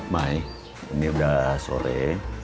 mai ini udah sore